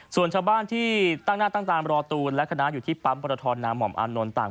ส่วนชาวบ้านที่ตั้งหน้าตั้งตารอตูนและคณะอยู่ที่ปั๊มปรทรนาม่อมอานนท์ต่าง